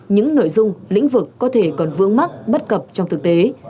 những nội dung lĩnh vực có thể còn vướng mắt bất cập trong thực tế